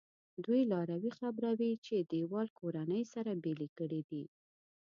دوی لاروی خبروي چې دیوال کورنۍ سره بېلې کړي دي.